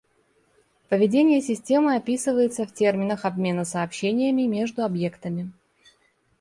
Поведение системы описывается в терминах обмена сообщениями между объектами